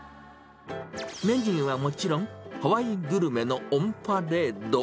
メニューはもちろん、ハワイグルメのオンパレード。